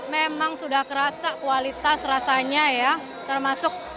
memang sudah kerasa kualitas rasanya ya termasuk ah udahlah unspoken pokoknya terima kasih pak jokowi